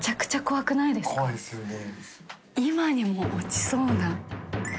怖いですよね。